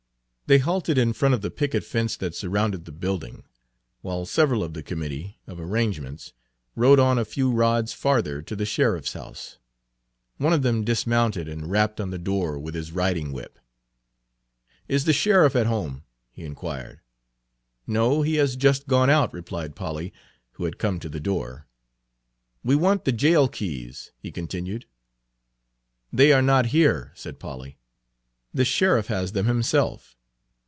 They halted in front of the picket fence that surrounded the building, while several of the committee of arrangements rode on a few rods farther to the sheriff's house. One of them dismounted and rapped on the door with his riding whip. "Is the sheriff at home?" he inquired. "No, he has just gone out," replied Polly, who had come to the door. "We want the jail keys," he continued. "They are not here," said Polly. "The sheriff has them himself."